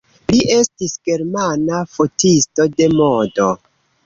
Li estis germana fotisto de modo.